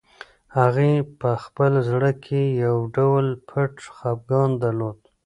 هغه په خپل زړه کې یو ډول پټ خپګان درلود.